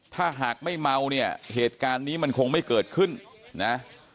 ถ้าหากไม่เมาเนี่ยเหตุการณ์นี้มันคงไม่เกิดขึ้นนะ